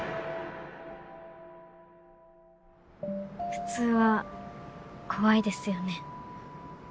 普通は怖いですよね。